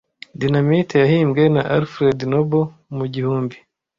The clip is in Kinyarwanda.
Dynamite yahimbwe na Alfred Nobel mu gihumbi.